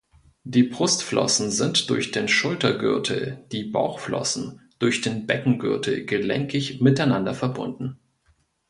Die Brustflossen sind durch den Schultergürtel, die Bauchflossen durch den Beckengürtel gelenkig miteinander verbunden.